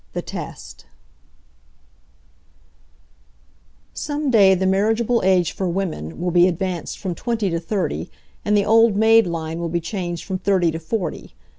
THE TEST Some day the marriageable age for women will be advanced from twenty to thirty, and the old maid line will be changed from thirty to forty.